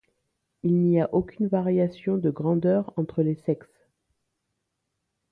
Il n'y a aucune variation de grandeur entre les sexes.